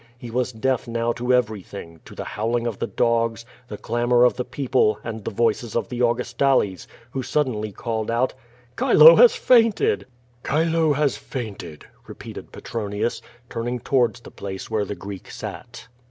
He was deaf now to everything, to the howling of the dogs, the clamor of the people and the voices of the Augustales, who suddenly called out: "Chilo has fainted!" *'Chilo has fainted!" repeated Petronius, turning towards the place where the Greek sat.